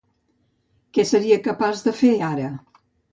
Què seria capaç de fer ara?